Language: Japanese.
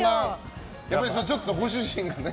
やっぱり、ちょっとご主人がね